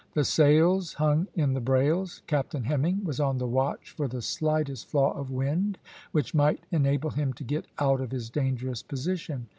The sails hung in the brails. Captain Hemming was on the watch for the slightest flaw of wind which might enable him to get out of his dangerous position.